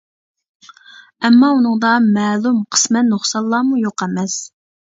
ئەمما، ئۇنىڭدا مەلۇم قىسمەن نۇقسانلارمۇ يوق ئەمەس.